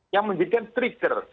yang membuat trigger